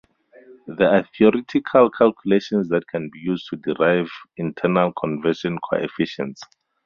There are theoretical calculations that can be used to derive internal conversion coefficients.